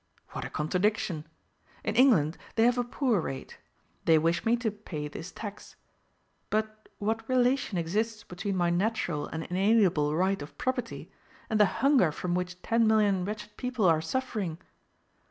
What a contradiction! In England they have a poor rate: they wish me to pay this tax. But what relation exists between my natural and inalienable right of property and the hunger from which ten million wretched people are suffering?